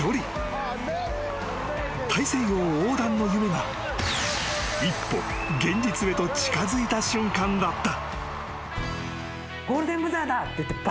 ［大西洋横断の夢が一歩現実へと近づいた瞬間だった］